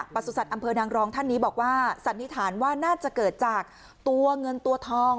ประสุทธิ์อำเภอนางรองท่านนี้บอกว่าสันนิษฐานว่าน่าจะเกิดจากตัวเงินตัวทอง